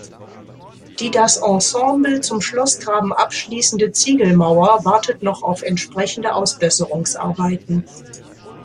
Die das Ensemble zum Schlossgraben abschließende Ziegelmauer wartet noch auf entsprechende Ausbesserungsarbeiten.